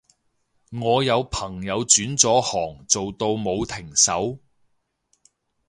我有朋友轉咗行做到冇停手